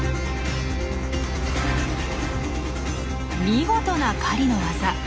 見事な狩りの技。